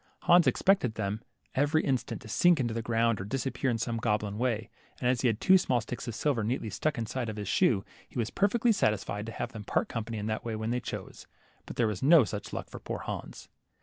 Hans expected them every instant to sink into the ground, or disappear in some goblin way, and as he had two small sticks of silver neatly stuck in the side of his shoe, he was perfectly satisfied to have them part company in that way when they chose. But there was no such luck for poor Hans.